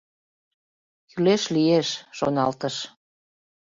«Кӱлеш лиеш, — шоналтыш.